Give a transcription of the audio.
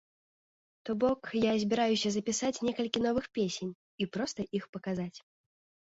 То бок, я збіраюся запісаць некалькі новых песень і проста іх паказаць.